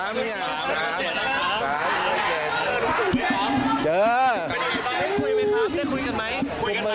ไม่ได้คุยไหม๓๗คุยกันไหม